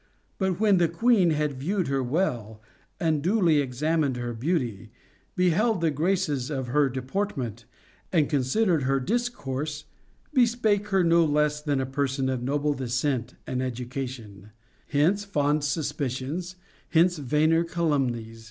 But when the queen had viewed her well, and duly examined her beauty, beheld the graces of her deportment, and considered her discourse bespake her no less than a person of noble de scent and education ; Hence, fond suspicions, hence vainer calumnies